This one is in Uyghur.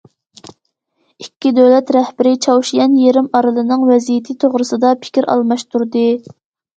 ئىككى دۆلەت رەھبىرى چاۋشيەن يېرىم ئارىلىنىڭ ۋەزىيىتى توغرىسىدا پىكىر ئالماشتۇردى.